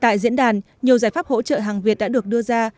tại diễn đàn nhiều giải pháp hỗ trợ hàng việt đã được đưa ra